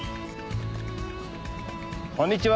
こんにちは！